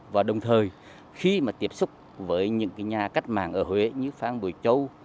và đồng thời khi mà tiếp xúc với những nhà cách mạng ở huế như phan bùi châu